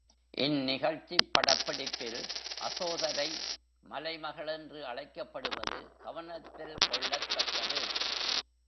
இந்நிகழ்ச்சிப் படப்பிடிப்பில் அசோதரை மலைமகள் என்று அழைக்கப்படுவது கவனத்தில் கொள்ளத்தக்கது.